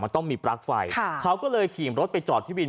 มันต้องมีปลั๊กไฟเขาก็เลยขี่รถไปจอดที่วิน